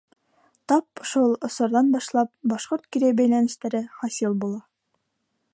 Тап шул осорҙан башлап, башҡорт-кирәй бәйләнештәре хасил була.